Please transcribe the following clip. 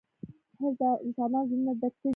حرص د انسانانو زړونه ډک کړي دي.